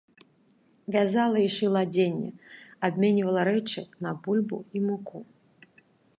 Вязала і шыла адзенне, абменьвала рэчы на бульбу і муку.